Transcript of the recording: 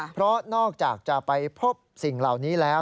เพราะนอกจากจะไปพบสิ่งเหล่านี้แล้ว